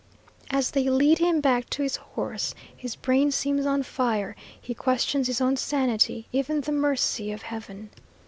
As they lead him back to his horse, his brain seems on fire; he questions his own sanity, even the mercy of Heaven.